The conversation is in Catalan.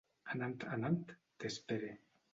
Anant, anant, t'espere.